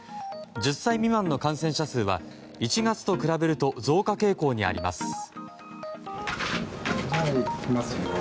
１０歳未満の感染者数は１月と比べると増加傾向にあります。